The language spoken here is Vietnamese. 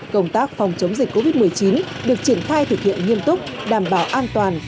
công tác phòng chống dịch covid một mươi chín được triển khai thực hiện nghiêm túc đảm bảo an toàn